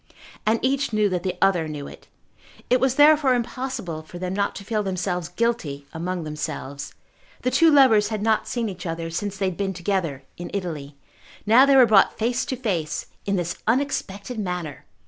And each knew that the other knew it. It was therefore impossible for them not to feel themselves guilty among themselves. The two lovers had not seen each other since they had been together in Italy. Now they were brought face to face in this unexpected manner!